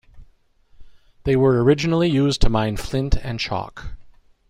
They were originally used to mine flint and chalk.